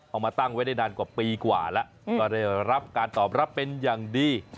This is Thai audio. เอามาตั้งไว้ได้นานกว่าปีกว่าแล้วก็ได้รับการตอบรับเป็นอย่างดี